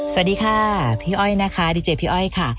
สวัสดีค่ะพี่อ้อยนะคะดีเจพี่อ้อยค่ะ